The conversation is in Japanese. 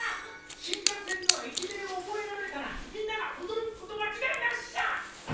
新幹線の駅名を覚えられたらみんなが驚くこと間違いなしじゃ！